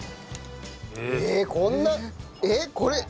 えっこんなえっこれいいの？